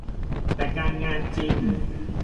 แต่การงานจริง